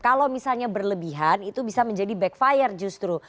kalau misalnya berlebihan itu bisa menjadi backfire justru